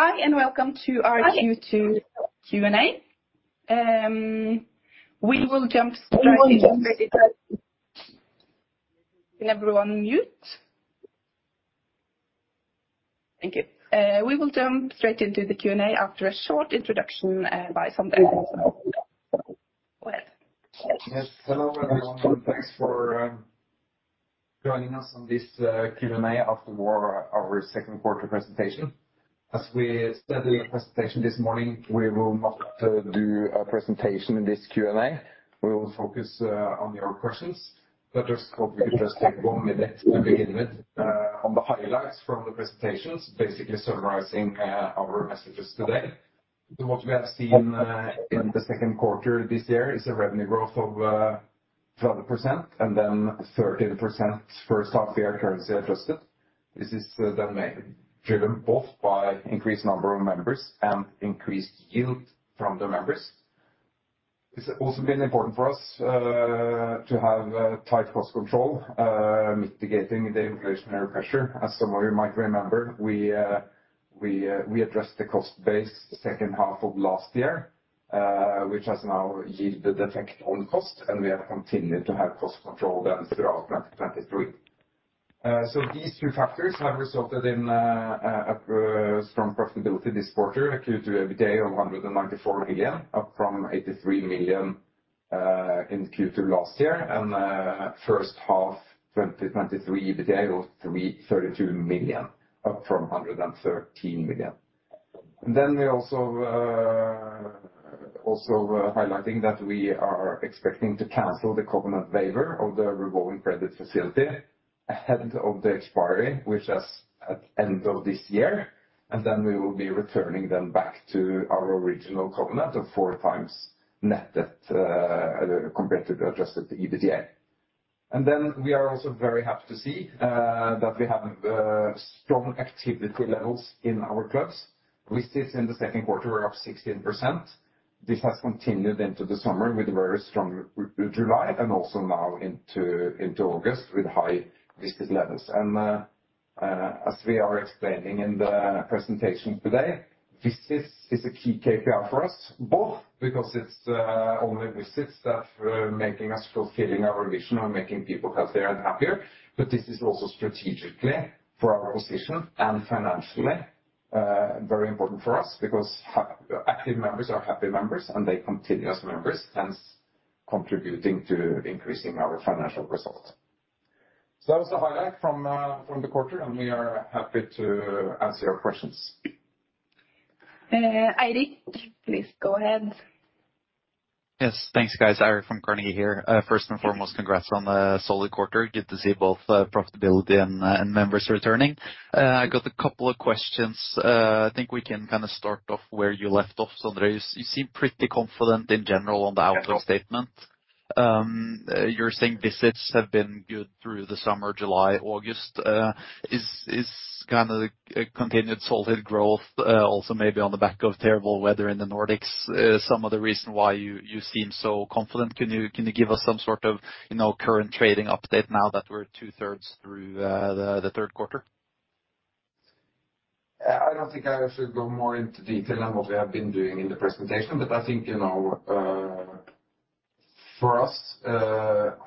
Hi, and welcome to our Q2 Q&A. We will jump straight in. Can everyone mute? Thank you. We will jump straight into the Q&A after a short introduction, by Sondre. Go ahead. Yes, hello, everyone, and thanks for joining us on this Q&A after our second quarter Presentation. As we said in the presentation this morning, we will not do a presentation in this Q&A. We will focus on your questions, but just thought we could just take one minute to begin with on the highlights from the presentations, basically summarizing our messages today. So what we have seen in the Q2 this year is a Revenue Growth of 12%, and then 13% for first half year currency adjusted. This is driven both by increased number of members and increased yield from the members. It's also been important for us to have tight cost control mitigating the Inflationary Pressure. As some of you might remember, we addressed the cost base H2 of last year, which has now yielded effect on cost, and we have continued to have cost control then throughout 2023. So these two factors have resulted in a strong profitability this quarter, adjusted EBITDA of 194 million, up from 83 million in Q2 last year, and first half 2023 EBITDA of 332 million, up from 113 million. We also highlight that we are expecting to cancel the covenant waiver of the Revolving Credit Facility ahead of the expiry, which is at end of this year, and then we will be returning them back to our original covenant of 4x Net, compared to the adjusted EBITDA. And then we are also very happy to see that we have strong activity levels in our clubs. Visits in the second quarter were up 16%. This has continued into the summer with a very strong July and also now into August, with high visit levels. As we are explaining in the presentation today, visits is a key KPI for us, both because it's only visits that are making us fulfilling our vision of making people healthier and happier. But this is also strategically for our position and financially very important for us because active members are happy members, and they continue as members, hence contributing to increasing our financial results. So that was a highlight from the quarter, and we are happy to answer your questions. Eirik, please go ahead. Yes. Thanks, guys. Eirik from Carnegie here. First and foremost, congrats on the solid quarter. Good to see both, profitability and members returning. I got a couple of questions. I think we can kind of start off where you left off, Sondre. You seem pretty confident in general on the outlook statement. You're saying visits have been good through the summer, July, August. Is kind of a continued solid growth, also maybe on the back of terrible weather in the Nordics, some of the reason why you seem so confident? Can you give us some sort of, you know, current trading update now that we're two-thirds through, the third quarter? I don't think I should go more into detail on what we have been doing in the presentation, but I think, you know, for us,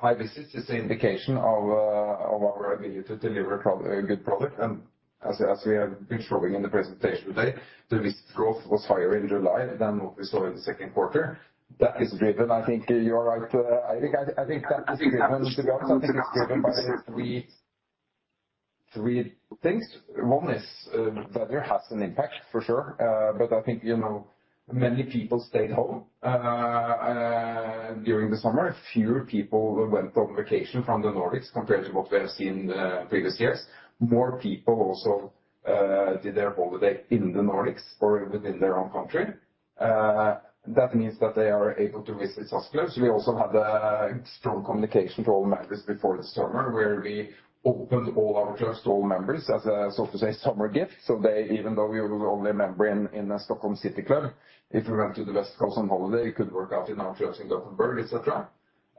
high visits is an indication of, of our ability to deliver a good product. And as we have been showing in the presentation today, the visit growth was higher in July than what we saw in the second quarter. That is driven, I think you're right, Eirik. I think that is driven, I think it's driven by three things. One is, weather has an impact, for sure, but I think, you know, many people stayed home, during the summer. Fewer people went on vacation from the Nordics compared to what we have seen, previous years. More people also did their holiday in the Nordics or within their own country. That means that they are able to visit us close. We also had a strong communication to all members before this summer, where we opened all our clubs to all members as a, so to say, summer gift. So they, even though we were only a member in Stockholm City Club, if you went to the West Coast on holiday, you could work out in our clubs in Gothenburg, et cetera.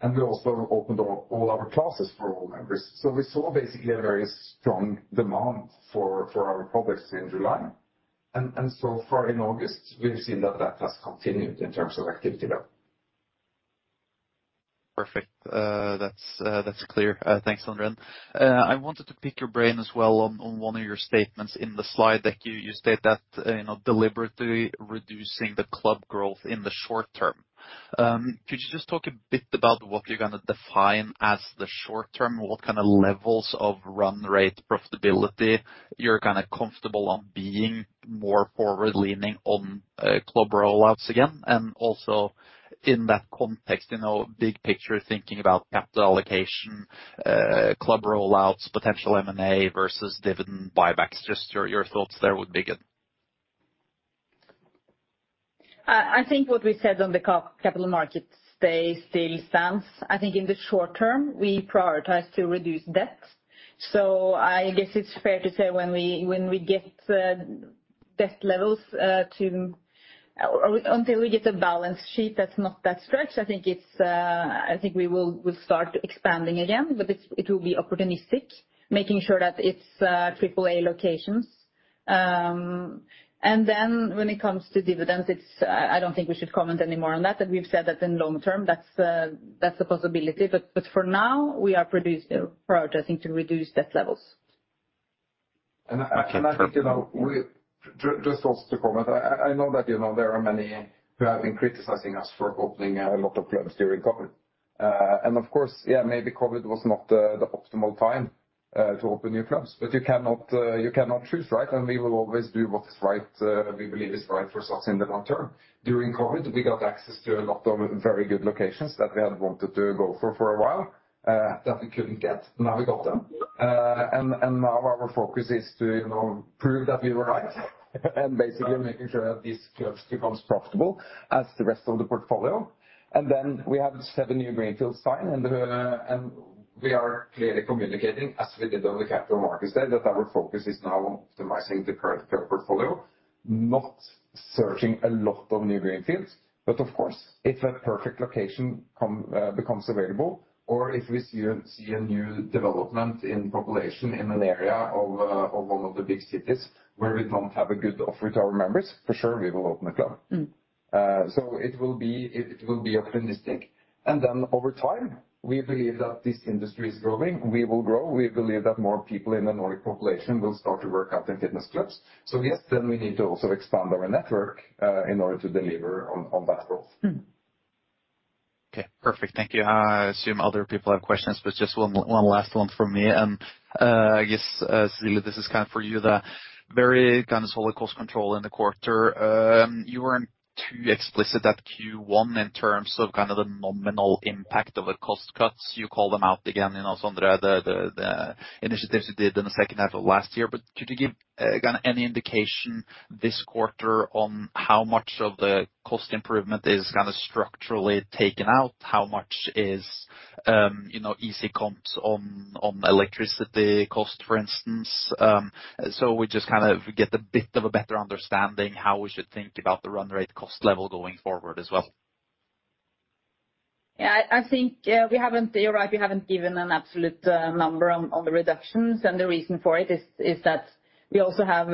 And we also opened all our classes for all members. So we saw basically a very strong demand for our products in July. And so far in August, we've seen that that has continued in terms of activity level. Perfect. That's, that's clear. Thanks, Sondre. I wanted to pick your brain as well on, on one of your statements in the slide that you, you state that, you know, deliberately reducing the club growth in the short term. Could you just talk a bit about what you're going to define as the short term? What kind of levels of run rate profitability you're kind of comfortable on being more forward-leaning on, club rollouts again, and also in that context, you know, big picture, thinking about Capital Allocation, club rollouts, potential M&A versus dividend buybacks. Just your, your thoughts there would be good. I think what we said on the Capital Markets Day still stands. I think in the short term, we prioritize to reduce debt. So I guess it's fair to say when we get ...debt levels, to, or until we get a balance sheet that's not that stretched, I think it's, I think we will start expanding again, but it will be opportunistic, making sure that it's triple-A locations. And then when it comes to dividends, it's, I don't think we should comment anymore on that, and we've said that in long term, that's a possibility. But for now, we are producing, prioritizing to reduce debt levels. And I think, you know, we just also to comment, I know that, you know, there are many who have been criticizing us for opening a lot of clubs during COVID. And of course, yeah, maybe COVID was not the optimal time to open new Clubs, but you cannot you cannot choose, right? And we will always do what is right, we believe is right for us in the long term. During COVID, we got access to a lot of very good locations that we had wanted to go for a while that we couldn't get. Now we got them. And now our focus is to, you know, prove that we were right, and basically making sure that these clubs becomes profitable as the rest of the Portfolio. Then we have seven new GreenFields signed, and we are clearly communicating, as we did on the Capital Markets Day, that our focus is now on optimizing the current club portfolio, not searching a lot of new GreenFields. But of course, if a perfect location becomes available, or if we see a new development in population, in an area of one of the big cities where we don't have a good offer to our members, for sure, we will open a club. Mm. So it will be opportunistic. Then over time, we believe that this industry is growing. We will grow. We believe that more people in the Nordic Population will start to work out in Fitness Clubs. So yes, then we need to also expand our Network in order to deliver on that growth. Mm. Okay, perfect. Thank you. I assume other people have questions, but just one, one last one from me. And, I guess, Cecilie, this is kind of for you, the very kind of solid cost control in the quarter. You weren't too explicit at Q1 in terms of kind of the nominal impact of the cost cuts. You called them out again, you know, Sondre, the initiatives you did in the H2 of last year. But could you give kind of any indication this quarter on how much of the cost improvement is kind of structurally taken out? How much is, you know, easy comps on electricity cost, for instance? So we just kind of get a bit of a better understanding how we should think about the run rate cost level going forward as well. Yeah, I think, we haven't... You're right, we haven't given an absolute number on the Reductions, and the reason for it is that we also have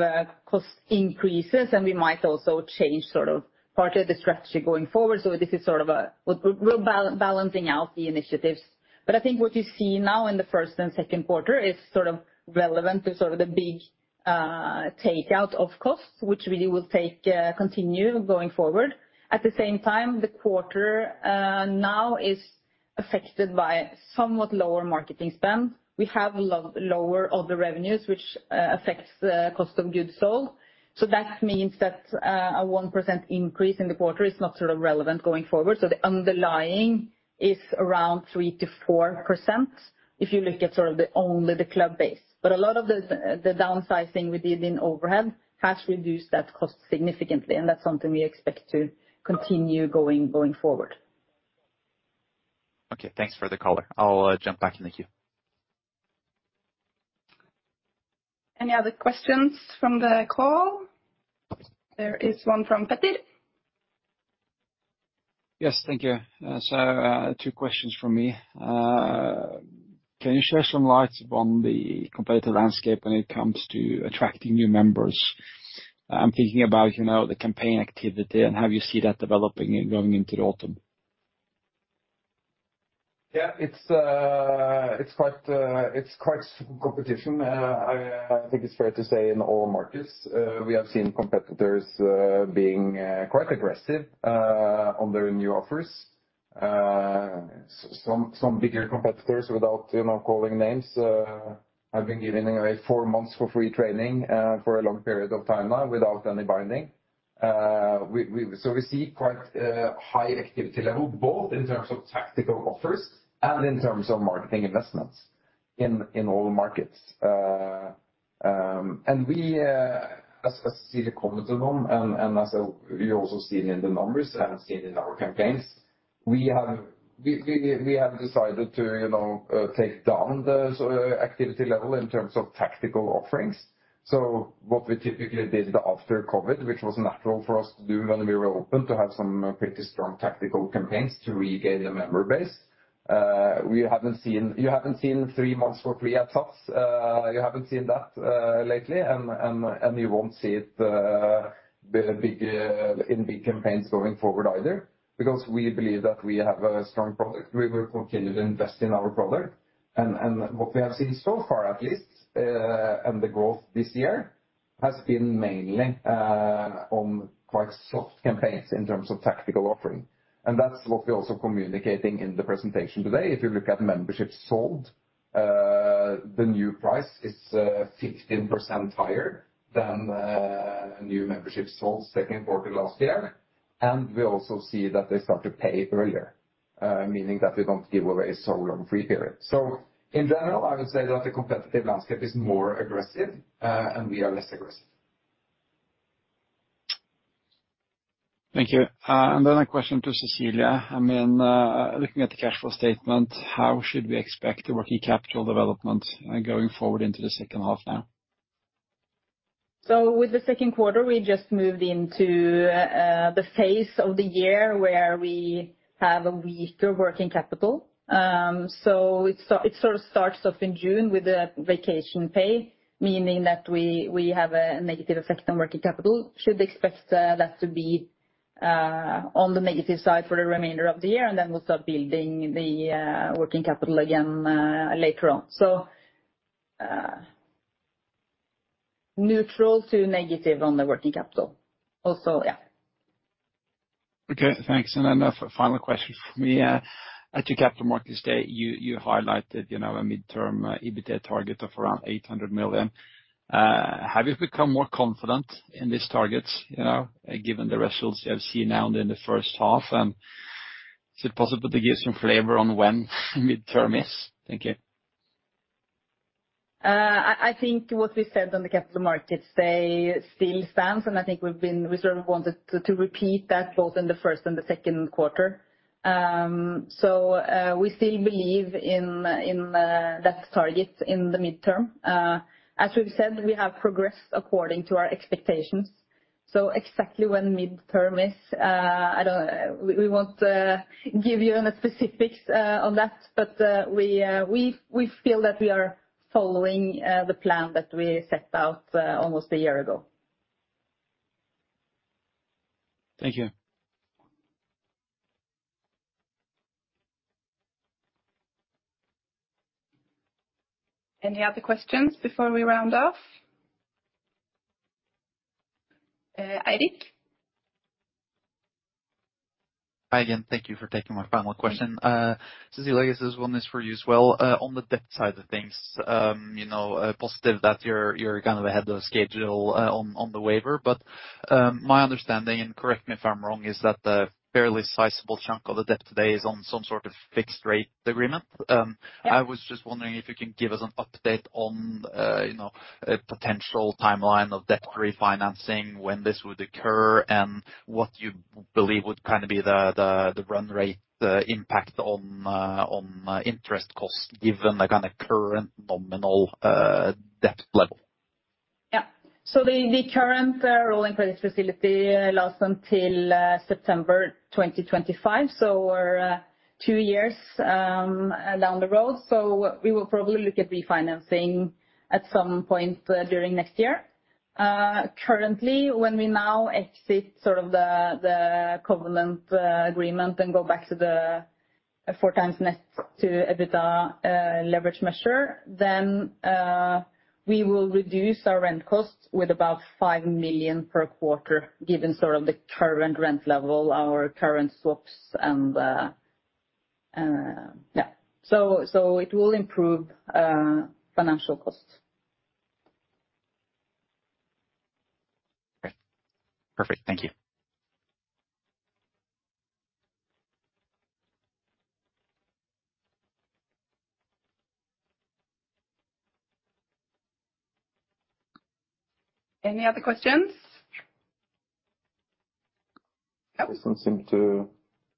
cost increases, and we might also change sort of partly the strategy going forward. So this is sort of a, we're balancing out the Initiatives. But I think what you see now in the first and second quarter is sort of relevant to sort of the big take out of costs, which really will continue going forward. At the same time, the quarter now is affected by somewhat lower marketing spend. We have a lot lower of the revenues, which affects the cost of goods sold. So that means that a 1% increase in the quarter is not sort of relevant going forward. The underlying is around 3%-4%, if you look at sort of the only Club base. But a lot of the downsizing we did in overhead has reduced that cost significantly, and that's something we expect to continue going forward. Okay, thanks for the call. I'll jump back in the queue. Any other questions from the call? There is one from Peter. Yes, thank you. Two questions from me. Can you shed some light on the competitive landscape when it comes to attracting new members? I'm thinking about, you know, the Campaign activity and how you see that developing and going into the Autumn. Yeah, it's quite competition. I think it's fair to say in all markets, we have seen competitors being quite aggressive on their new offers. Some bigger competitors without, you know, calling names, have been giving away four months for free training for a long period of time now, without any binding. So we see quite high activity level, both in terms of Tactical Offers and in terms of Marketing Investments in all markets. And we, as Cecilie commented on, and as we also seen in the numbers and seen in our campaigns, we have decided to, you know, take down the sort of activity level in terms of Tactical Offerings. So what we typically did after COVID, which was natural for us to do when we were open, to have some pretty strong tactical campaigns to regain the member base. We haven't seen—you haven't seen three months for free at us. You haven't seen that lately, and you won't see it big in big campaigns going forward either, because we believe that we have a strong product. We will continue to invest in our product. And what we have seen so far, at least, and the growth this year, has been mainly on quite soft campaigns in terms of Tactical Offering. And that's what we're also communicating in the Presentation today. If you look at Memberships sold, the new price is 15% higher than New Memberships sold Q2 last year. We also see that they start to pay earlier, meaning that we don't give away so long free period. In general, I would say that the competitive landscape is more aggressive, and we are less aggressive. Thank you. Then a question to Cecilie. I mean, looking at the cash flow statement, how should we expect the working capital development, going forward into the second half now? So with the second quarter, we just moved into the phase of the year where we have a weaker working capital. So it sort of starts off in June with the vacation pay, meaning that we have a negative effect on working capital. Should expect that to be on the negative side for the remainder of the year, and then we'll start building the working capital again later on. So neutral to negative on the working capital. Also, yeah. Okay, thanks. And then a final question for me. At your Capital Markets Day, you highlighted, you know, a midterm EBITDA target of around 800 million. Have you become more confident in these targets, you know, given the results you have seen now in the first half? And is it possible to give some flavor on when midterm is? Thank you. I think what we said on the Capital Markets Day still stands, and I think we've been. We sort of wanted to repeat that both in the first and the second quarter. So, we still believe in that target in the midterm. As we've said, we have progressed according to our expectations. So exactly when midterm is, I don't... We won't give you any specifics on that, but we feel that we are following the plan that we set out almost a year ago. Thank you. Any other questions before we round off? Eirik? Hi again. Thank you for taking my final question. Cecilie, I guess this one is for you as well. On the debt side of things, you know, positive that you're, you're kind of ahead of schedule, on, on the waiver. But, my understanding, and correct me if I'm wrong, is that a fairly sizable chunk of the debt today is on some sort of fixed rate agreement. Yeah. I was just wondering if you can give us an update on, you know, a potential timeline of debt refinancing, when this would occur, and what you believe would kind of be the run rate impact on interest costs, given the kind of current nominal debt level? Yeah. So the current revolving credit facility lasts until September 2025, so we're two years down the road. So we will probably look at refinancing at some point during next year. Currently, when we now exit sort of the covenant agreement and go back to the 4x net debt to EBITDA leverage measure, then we will reduce our rent costs with about 5 million per quarter, given sort of the current rent level, our current swaps and... Yeah. So it will improve financial costs. Great. Perfect. Thank you. Any other questions? Yeah. Doesn't seem to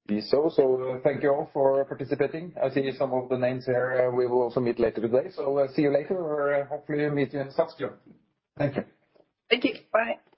be so. So thank you all for participating. I see some of the names here, we will also meet later today. So I'll see you later, or hopefully meet you in Stavanger. Thank you. Thank you. Bye.